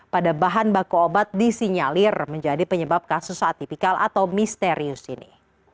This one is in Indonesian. pada bahan baku obat disinyalir menjadi penyebab kasus atipikal atau misterius ini